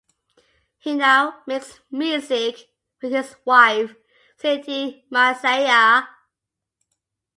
He now makes music with his wife Zeeteah Massiah.